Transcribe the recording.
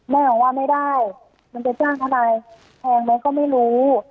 แม่บอกว่าไม่ได้มันจะจ้างทนายแพงไหมก็ไม่รู้